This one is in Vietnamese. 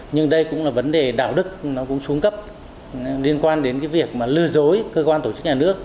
nhưng đây cũng là vấn đề đạo đức nó cũng xuống cấp liên quan đến cái việc mà lừa dối cơ quan tổ chức nhà nước